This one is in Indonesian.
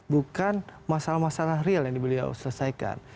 bukan masalah masalah real yang beliau selesaikan